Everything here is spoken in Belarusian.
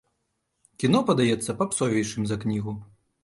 Кіно падаецца папсовейшым за кнігу.